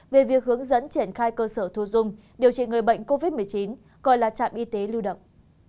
về việc hướng dẫn triển khai cơ sở thu dung điều trị người bệnh covid một mươi chín gọi là trạm y tế lưu động